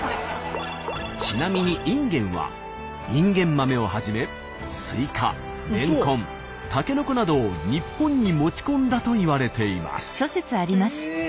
ちなみに隠元はインゲン豆をはじめスイカレンコンタケノコなどを日本に持ち込んだといわれています。